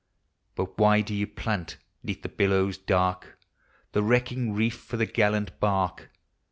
But why do ye plant, 'neath the billows dark, The wrecking reef for the gallant bark?